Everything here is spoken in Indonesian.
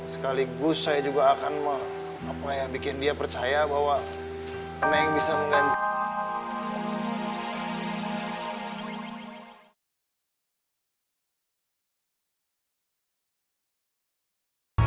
sekaligus saya juga akan apa ya bikin dia percaya bahwa neng bisa menggantikan